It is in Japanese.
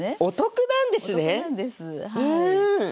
お得なんですはい。